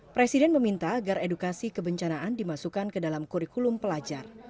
presiden meminta agar edukasi kebencanaan dimasukkan ke dalam kurikulum pelajar